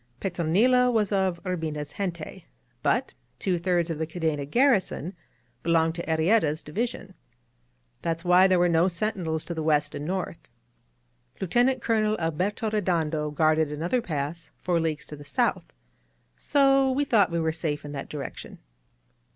Petronilo was of Urbina's gente; but two thirds of the Cadena garrison belonged to Arrieta's division. That's why there were no sentinels to the west and north. Lieutenant Colonel Alberto Redondo guarded another pass four leagues to the south, so we thought we were safe in that direction.